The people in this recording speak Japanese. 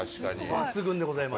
抜群でございます。